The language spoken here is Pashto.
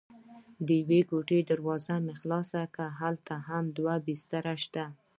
د یوې کوټې دروازه مې خلاصه کړه: هلته هم دوه بسترې شته.